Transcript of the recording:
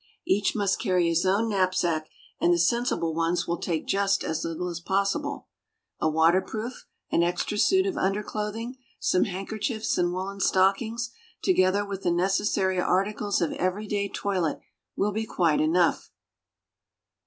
Each must carry his own knapsack, and the sensible ones will take just as little as possible. A waterproof, an extra, suit of underclothing, some handkerchiefs and woolen stockings, together with the necessary articles of everyday toilet, will be quite enough.